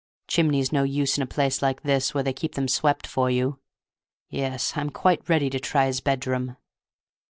Chimney's no use in a place like this where they keep them swept for you. Yes, I'm quite ready to try his bedroom."